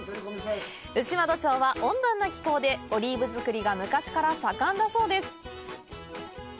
牛窓町は温暖な気候でオリーブ作りが昔から盛んだそうです